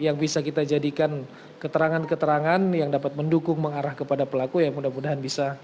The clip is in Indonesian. yang bisa kita jadikan keterangan keterangan yang dapat mendukung mengarah kepada pelaku ya mudah mudahan bisa